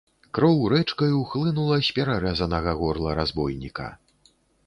Кроў рэчкаю хлынула з перарэзанага горла разбойніка.